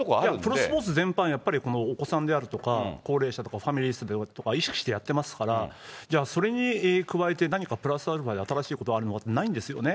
プロスポーツ全般、やっぱりお子さんであるとか、高齢者とかファミリー層とか意識してやってますから、じゃあ、それに加えて、何かプラスアルファで新しいことあるのって、ないんですよね。